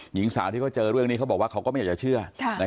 หญิงสาวที่เขาเจอเรื่องนี้เขาบอกว่าเขาก็ไม่อยากจะเชื่อ